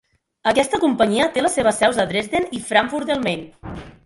Aquesta companyia té les seves seus a Dresden i Frankfurt del Main.